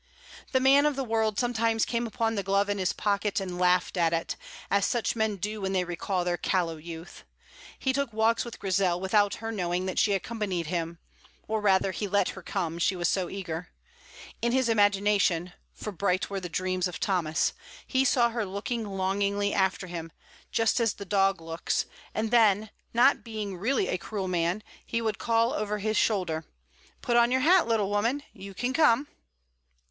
The man of the world sometimes came upon the glove in his pocket, and laughed at it, as such men do when they recall their callow youth. He took walks with Grizel without her knowing that she accompanied him; or rather, he let her come, she was so eager. In his imagination (for bright were the dreams of Thomas!) he saw her looking longingly after him, just as the dog looks; and then, not being really a cruel man, he would call over his shoulder, "Put on your hat, little woman; you can come."